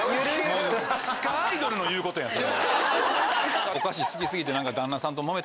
地下アイドルの言うことやん。